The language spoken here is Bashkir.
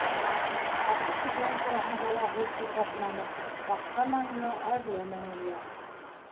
Ҡасып китеүем тураһында ла һүҙ ҡуҙғатманы: маҡтаманы ла, әрләмәне лә.